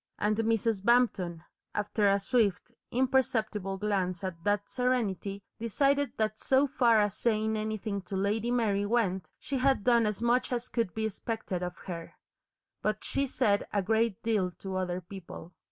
And Mrs. Bampton, after a swift, imperceptible glance at that serenity, decided that so far as saying anything to Lady Mary went, she had done as much as could be expected of her. But she said a great deal to other people.